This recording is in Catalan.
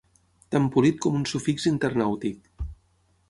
Tan polit com un sufix internàutic.